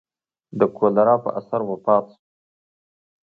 د کولرا په اثر وفات شو.